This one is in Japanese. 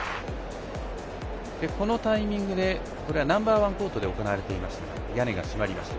このタイミングで、この試合はナンバー１コートで行われていましたが屋根が閉まりました。